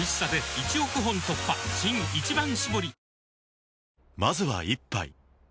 新「一番搾り」